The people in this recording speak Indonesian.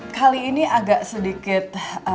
kali ini agak sedikit